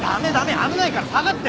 危ないから下がって。